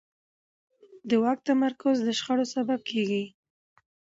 د واک تمرکز د شخړو سبب کېږي